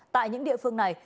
tại những địa phương này